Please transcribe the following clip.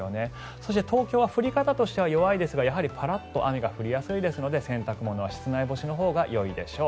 そして、東京は降り方としては弱いですがやはりパラッと雨が降りやすいですので洗濯物は室内干しのほうがよいでしょう。